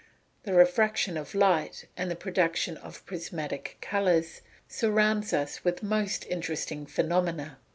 The refraction of light, and the production of prismatic colours, surrounds us with most interesting phenomena.